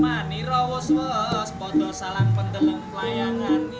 mani rawus rawus bodoh salam pendelung layangani